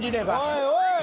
おいおい！